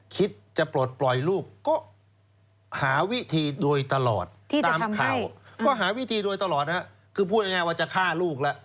ก็หาวิธีโดยตลอดนะครับคือพูดอย่างไรว่าจะฆ่าลูกล่ะ